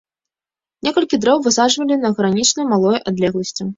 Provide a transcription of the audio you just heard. Некалькі дрэў высаджвалі на гранічна малой адлегласці.